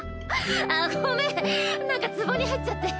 あっごめんなんかツボに入っちゃって。